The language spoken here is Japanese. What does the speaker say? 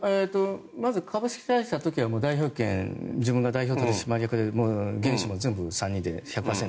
まず株式会社ＴＯＫＩＯは代表権、自分が代表取締役で原資も全部３人で１００％